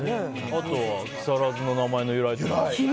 あとは木更津の名前の由来。